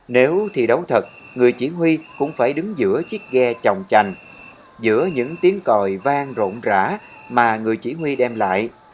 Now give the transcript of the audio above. nếu thi đấu thật người chỉ huy cũng phải đứng giữa chiếc ghe chồng trành giữa những tiếng còi vang rộn rã mà người chỉ huy đem lại